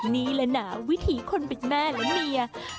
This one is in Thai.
นี่แหละนะวิถีคนเป็นแม่และเมีย